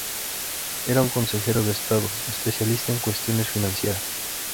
Era un consejero de estado, especialista en cuestiones financieras.